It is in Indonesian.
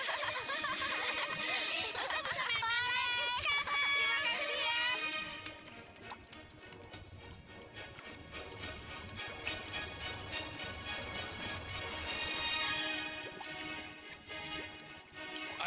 ayo sekarang kita serang penyihir itu